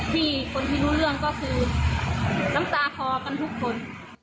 ที่คนที่รู้เรื่องก็คือน้ำตาคอกันทุกคน